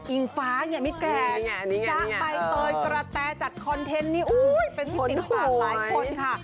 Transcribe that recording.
อิงฟ้าอย่างนี้แกจะไปเตยกระแตจัดคอนเทนต์นี้โอ้ยเป็นทิ้งติดปากหลายคนค่ะ